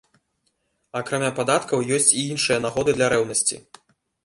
Акрамя падаткаў ёсць і іншыя нагоды для рэўнасці.